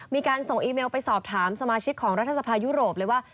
มีการส่งอีเมลไปสอบถามสมาชิกของรัฐสภายุโรปเลยว่า